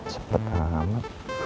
sempet ala lama